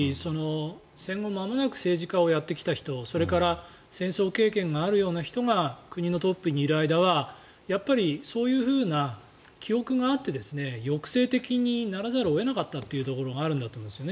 戦後まもなく政治家をやってきた人それから戦争経験があるような人が国のトップにいる間はそういう記憶があって抑制的にならざるを得なかったということがあると思うんです。